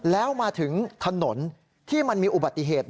แล้วมาถึงถนนที่มันมีอุบัติเหตุ